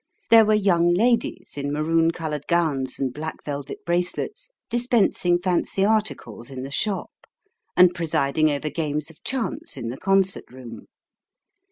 There were young ladies, in maroon coloured gowns and black velvet bracelets, dispensing fancy articles in the shop, and presiding over games of chance in the concert room.